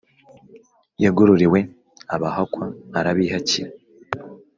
Yahagororewe abahakwa arabihakira,